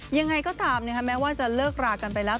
ยังไงก็ตามแม้ว่าจะเลิกรากันไปแล้ว